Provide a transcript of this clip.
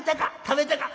食べてか？